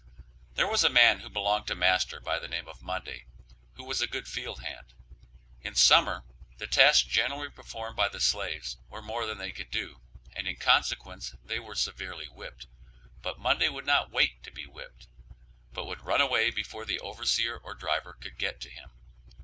There was a man who belonged to master by the name of Monday, who was a good field hand; in summer the tasks generally performed by the slaves were more than they could do, and in consequence they were severely whipped, but Monday would not wait to be whipped, but would run away before the overseer or driver could get to him.